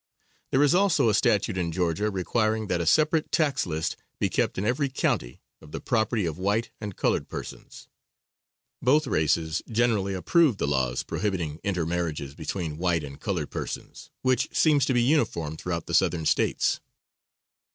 There is also a statute in Georgia requiring that a separate tax list be kept in every county, of the property of white and colored persons. Both races generally approve the laws prohibiting inter marriages between white and colored persons, which seem to be uniform throughout the Southern States.